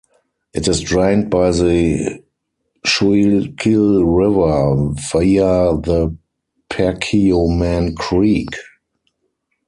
It is drained by the Schuylkill River via the Perkiomen Creek.